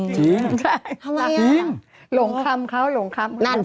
จริงหลงคำเขาหลงคำ